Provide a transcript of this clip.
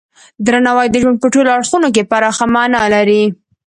درناوی د ژوند په ټولو اړخونو کې پراخه معنی لري.